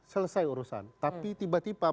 selesai urusan tapi tiba tiba